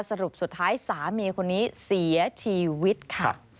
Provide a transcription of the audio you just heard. สรุปสุดท้ายสามีคนนี้เสียชีวิตค่ะ